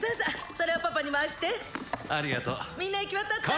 それをパパに回してありがとうみんな行き渡った？